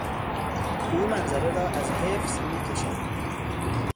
او منظره را از حفظ میکشد.